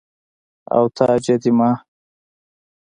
او تاج يي ديما